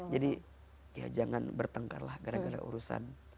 ya jangan bertengkarlah gara gara urusan